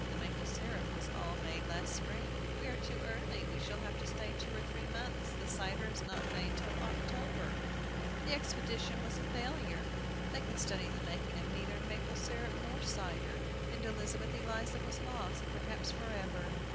The maple syrup was all made last spring." "We are too early; we shall have to stay two or three months, the cider is not made till October." The expedition was a failure! They could study the making of neither maple syrup nor cider, and Elizabeth Eliza was lost, perhaps forever!